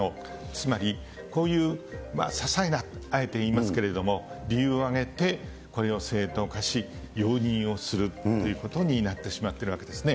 つまり、こういうささいな、あえて言いますけれども、理由を挙げてこれを正当化し、容認をするっていうことになってしまってるわけですね。